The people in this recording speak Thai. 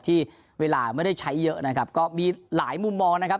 ที่เวลาไม่ได้ใช้เยอะนะครับก็มีหลายมุมมองนะครับ